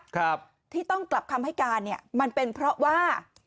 ครับที่ต้องกลับคำให้การเนี่ยมันเป็นเพราะว่า